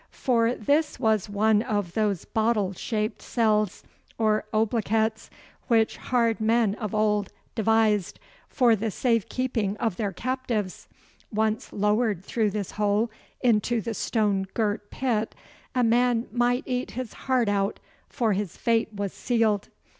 For this was one of those bottle shaped cells or oubliettes which hard men of old devised for the safe keeping of their captives. Once lowered through this hole into the stone girt pit a man might eat his heart out, for his fate was sealed.